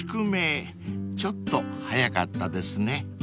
［ちょっと早かったですね］